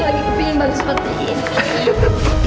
ibu lagi kepengen baju seperti ini